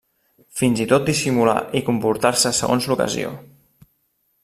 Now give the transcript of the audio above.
Fins i tot dissimular i comportar-se segons l'ocasió.